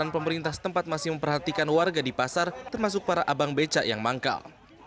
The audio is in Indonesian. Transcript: pemerintah setempat masih memperhatikan warga di pasar termasuk para abang becak yang manggal